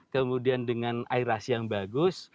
kemudian dengan airasi yang bagus